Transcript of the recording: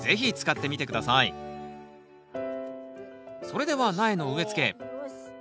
それでは苗の植えつけ。